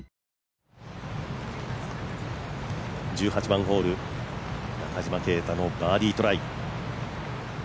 １８番ホール、中島啓太のバーディートライ。